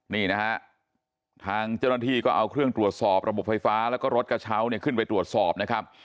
นี่นะฮะทางเจ้าหน้าที่ก็เอาเครื่องตรวจสอบระบบไฟฟ้าแล้วก็รถกระเช้าเนี่ยขึ้นไปตรวจสอบนะครับ